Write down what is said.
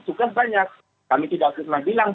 tugas banyak kami tidak pernah bilang